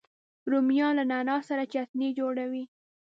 رومیان له نعنا سره چټني جوړوي